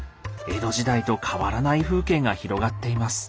江戸時代と変わらない風景が広がっています。